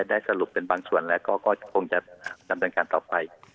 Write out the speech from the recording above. ได้สรุปเป็นบางส่วนแล้วก็คงจะดำเนินการต่อไป